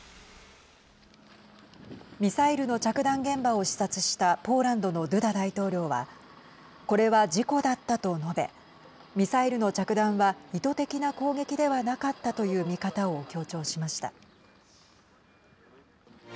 ミサイルの着弾現場を視察したポーランドのドゥダ大統領はこれは事故だったと述べミサイルの着弾は意図的な攻撃ではなかったという見方を強調しました。